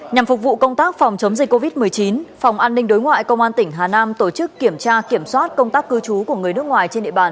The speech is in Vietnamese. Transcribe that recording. nhằm phục vụ công tác phòng chống dịch covid một mươi chín phòng an ninh đối ngoại công an tỉnh hà nam tổ chức kiểm tra kiểm soát công tác cư trú của người nước ngoài trên địa bàn